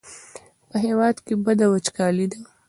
په هېواد کې بده وچکالي ده.